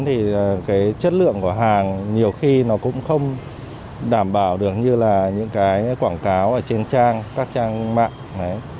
thì cái chất lượng của hàng nhiều khi nó cũng không đảm bảo được như là những cái quảng cáo ở trên trang các trang mạng